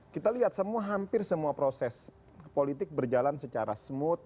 kita lihat hampir semua proses politik berjalan secara smooth